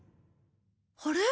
あれ？